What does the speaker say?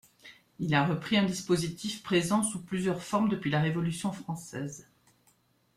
Il a repris un dispositif présent sous plusieurs formes depuis la Révolution française.